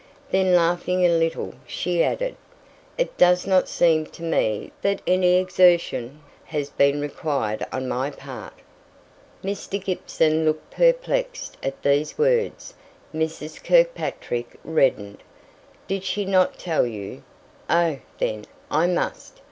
Then laughing a little, she added, "It does not seem to me that any exertion has been required on my part." Mr. Gibson looked perplexed at these words. Mrs. Kirkpatrick reddened. "Did she not tell you? Oh, then, I must.